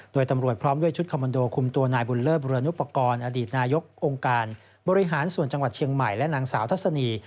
โดยตำรวจพร้อมด้วยชุดคอมมันโดคุมตัวนายบุญเลิศบุรณุปกรณ์อดีตนายกองค์การบริหารส่วนจังหวัดเชียงใหม่และนางสาวทัศนี